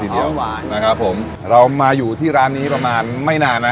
เดี๋ยวหวานนะครับผมเรามาอยู่ที่ร้านนี้ประมาณไม่นานนะ